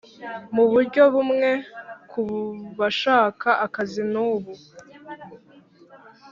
mu buryo bumwe ku bashaka akazi nubu